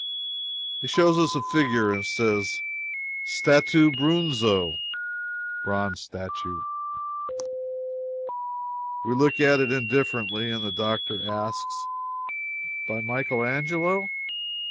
He shows us a figure and says: "Statoo brunzo." (Bronze statue.) We look at it indifferently and the doctor asks: "By Michael Angelo?"